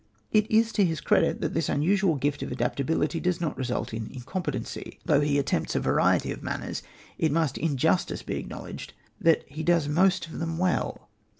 It is to his credit that this unusual gift of adaptability does not result in incompetency. Though he attempts a variety of manners, it must in justice be acknowledged that he does most of them well.